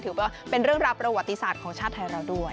ถือว่าเป็นเรื่องราวประวัติศาสตร์ของชาติไทยเราด้วย